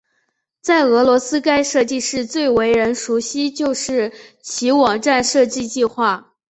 在俄罗斯该设计室最为人熟悉就是其网站设计计划。